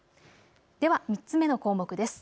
では３つ目の項目です。